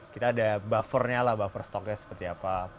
kita ada buffernya lah buffer stoknya seperti apa